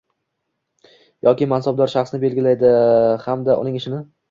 yoki mansabdor shaxsni belgilaydi hamda uning ishini